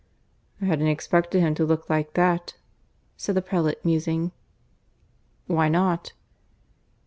"I hadn't expected him to look like that," said the prelate, musing. "Why not?"